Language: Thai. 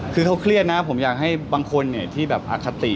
เขาเครียดนะคะผมอยากให้บางคนที่อคฆติ